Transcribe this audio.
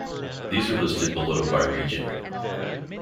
These are listed below by region.